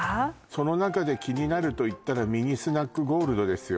その中で気になるといったらミニスナックゴールドですよ